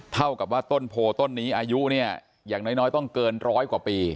เท่ากับว่าต้นโพต้นนี้อายุเนี่ยอย่างน้อยต้องเกินร้อยกว่าปี